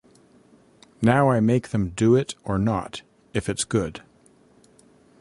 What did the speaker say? Now I make them do it or not, if it's good.